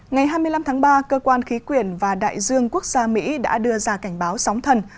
ngày hai mươi năm tháng ba cơ quan khí quyển và đại dương quốc gia mỹ đã đưa ra cảnh báo sóng thần